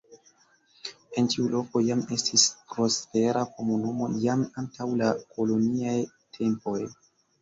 En tiu loko jam estis prospera komunumo jam antaŭ la koloniaj tempoj.